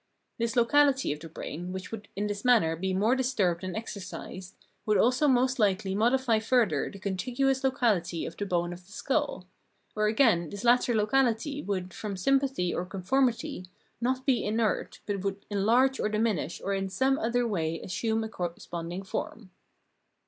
This locahty of the brain, which WQuld in this manner be more disturbed and exercised, Phrenology 323 would also most likely modify further the contiguous locality of the bone of the skull ; or again this latter locality would, from sympathy or conformity, not be inert, but would enlarge or diminish or in some other way assume a corresponding form.